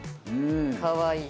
かわいい。